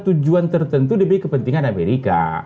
tujuan tertentu demi kepentingan amerika